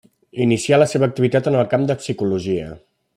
Inicià la seva activitat en el camp de la psicologia.